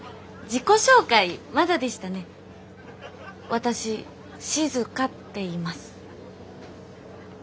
私しずかっていいます。